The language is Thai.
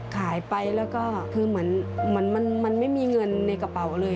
ขายไปแล้วก็คือเหมือนมันไม่มีเงินในกระเป๋าเลย